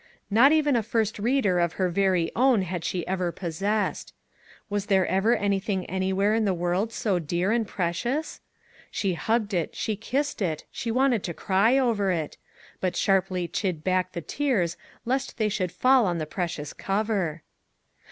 Not even a First Reader of her very own had she ever possessed. Was there ever anything anywhere in the world so dear and precious? She hugged it, she kissed it, she wanted to cry over it ; but sharply chid back the tears lest they should fall on the precious cover.